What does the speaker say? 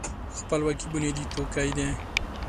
خپلواکي بنیادي توکی دی.